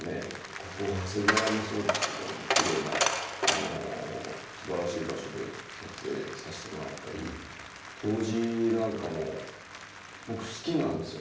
国宝、長谷寺もそうですけど、きれいなすばらしい場所で撮影させてもらったり、東寺なんかも、僕、好きなんですよ。